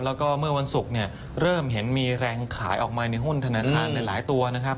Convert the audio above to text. แล้วก็เมื่อวันศุกร์เนี่ยเริ่มเห็นมีแรงขายออกมาในหุ้นธนาคารหลายตัวนะครับ